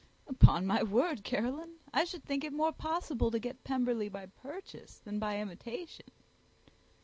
"Upon my word, Caroline, I should think it more possible to get Pemberley by purchase than by imitation."